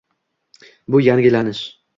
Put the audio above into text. Bu yangilanish